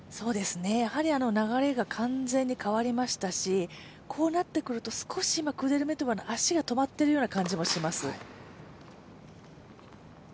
やはり流れが完全に変わりましたし、こうなってくると、少しクデルメトワの足が止まっているような感じもします。